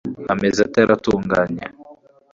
Ameze ate Aratunganye